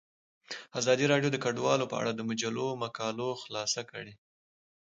ازادي راډیو د کډوال په اړه د مجلو مقالو خلاصه کړې.